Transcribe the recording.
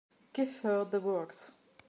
Give her the works.